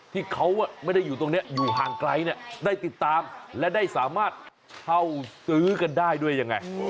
ที่เขาไม่ได้อยู่ตรงนี้อยู่ห่างไกลเนี่ยได้ติดตามและได้สามารถเข้าซื้อกันได้ด้วยยังไง